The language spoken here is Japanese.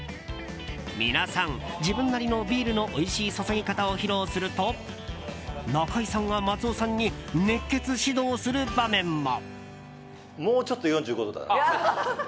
皆さん、自分なりのビールのおいしい注ぎ方を披露すると中井さんが松尾さんに熱血指導する場面も。